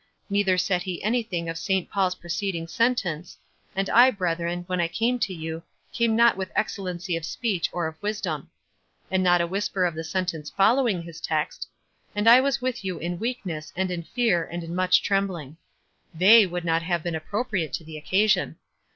Neither said he anything of St. Paul's preceding sen tence, "And I, brethren, when I came to yon, came not with excellency of speech or of wis dom." And not a whisper of the sentence fol lowing his text : "And I was with you in weak ness, and in fear, and in much trembling." They would not have been appropriate to the occasion.